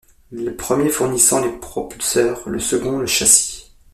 Le premier fournissant les propulseurs, le second le châssis.